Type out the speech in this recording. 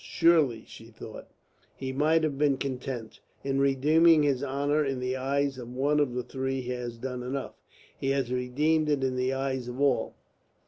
"Surely," she thought, "he might have been content. In redeeming his honour in the eyes of one of the three he has done enough, he has redeemed it in the eyes of all."